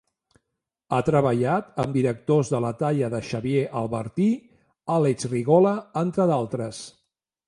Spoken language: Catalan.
Ha treballat amb directors de la talla de Xavier Albertí, Àlex Rigola, entre d'altres.